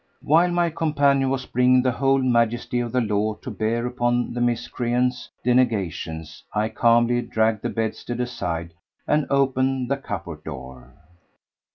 While my companion was bringing the whole majesty of the law to bear upon the miscreant's denegations I calmly dragged the bedstead aside and opened the cupboard door.